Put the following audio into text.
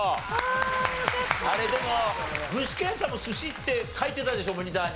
あれでも具志堅さんも寿司って書いてたでしょモニターに。